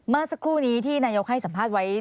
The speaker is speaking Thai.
เมื่อสักครู่นี้ที่นายกให้สัมภาษณ์ไว้